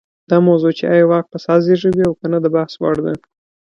دا موضوع چې ایا واک فساد زېږوي او که نه د بحث وړ ده.